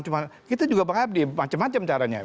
cuma kita juga mengabdi macam macam caranya